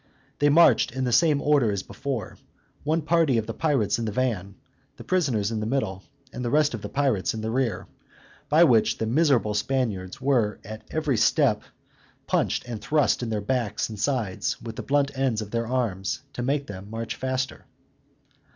They marched in the same order as before, one party of the pirates in the van, the prisoners in the middle, and the rest of the pirates in the rear; by whom the miserable Spaniards were at every step punched and thrust in their backs and sides, with the blunt ends of their arms, to make them march faster.